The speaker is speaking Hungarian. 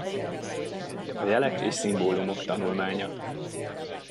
A jelek és szimbólumok tanulmánya.